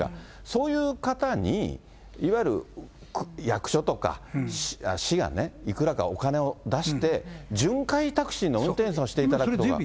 そういう方に、いわゆる役所とか、市がね、いくらかお金を出して、巡回タクシーの運転手さんをしていただくとか。